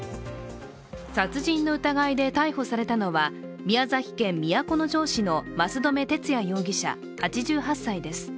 殺人の疑いで逮捕されたのは宮崎県都城市の益留哲也容疑者８８歳です。